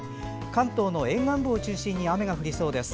関東の沿岸部を中心に雨が降りそうです。